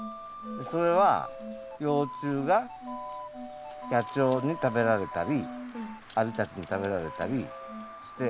それは幼虫が野鳥に食べられたりアリたちに食べられたりして。